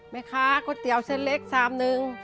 แม่คะก๋วยเตี๋ยวเส้นเล็ก๓นึง